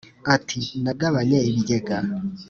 Ati: “Nagabanye ibigega